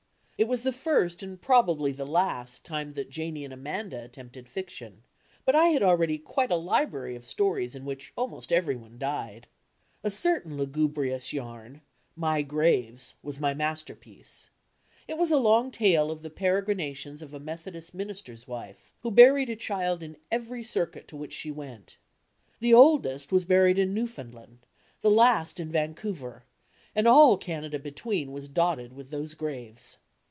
It was the first, and probably the last, dme that Janie and Amanda attempted ficdon, but I had already quite a library of stories in which almost everyone died. A certain lugubrious yam, "My Graves," was my masterpiece. It was a long ^e of the peregrinations of a Methodist minister's wife, who buried a child in every circuit to which she went. The oldest was buried in Newfoundland, the last in Van couver, and all Canada between was dotted with those graves.